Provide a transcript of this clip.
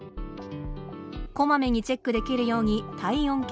こまめにチェックできるように体温計。